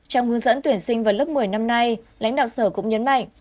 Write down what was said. trong hướng dẫn tuyển sinh vào lớp một mươi năm nay lãnh đạo sở cũng nhấn mạnh